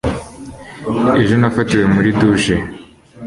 ejo nafatiwe muri douche